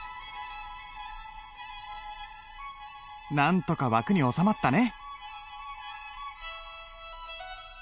なんとか枠に収まったね！